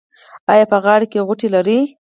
ایا په غاړه کې غوټې لرئ؟